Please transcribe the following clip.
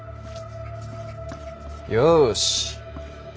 よし。